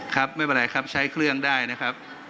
ครับไม่เป็นไรครับใช้เครื่องได้นะครับ